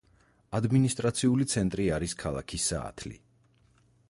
ადმინისტრაციული ცენტრი არის ქალაქი საათლი.